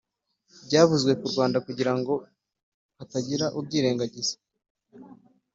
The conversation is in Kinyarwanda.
byavuzwe ku rwanda kugira ngo hatagira ubyirengagiza